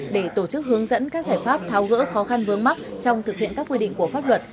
để tổ chức hướng dẫn các giải pháp tháo gỡ khó khăn vướng mắt trong thực hiện các quy định của pháp luật